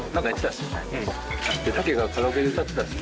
タケがカラオケで歌ってた。